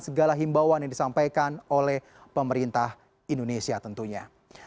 segala himbauan yang disampaikan oleh pemerintah indonesia tentunya